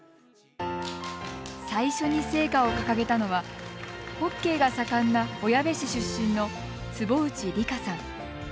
最初に聖火を掲げたのはホッケーが盛んな小矢部市出身の坪内利佳さん。